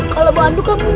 kalau bawa andu kan